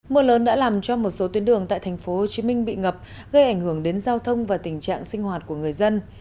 mưa lớn đã làm cho một số tuyến đường tại tp hcm bị ngập gây ảnh hưởng đến giao thông và tình trạng sinh hoạt của người dân